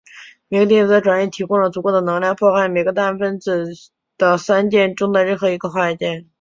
每个电子的转移提供了足够的能量破坏每个氮分子的三键中的任一个化学键。